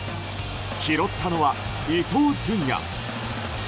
拾ったのは伊東純也。